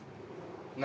何？